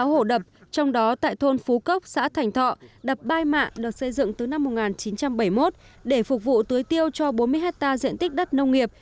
nơi có sáu mươi sáu hồ đập trong đó tại thôn phú cốc xã thành thọ đập bai mạ được xây dựng từ năm một nghìn chín trăm bảy mươi một để phục vụ tưới tiêu cho bốn mươi hecta diện tích đất nông nghiệp